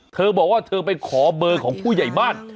เธอบอกว่าเธอไปขอเบอร์ของผู้ใหญ่บ้าน